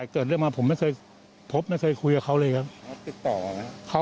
เกิดเรื่องมาผมไม่เคยพบไม่เคยคุยกับเขาเลยครับเขา